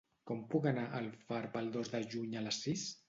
Com puc anar a Alfarb el dos de juny a les sis?